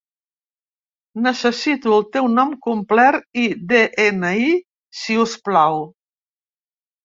Necessito el teu nom complet i de-ena-i, si us plau.